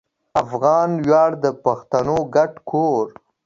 افغان ویاړ د پښتنو ګډ کور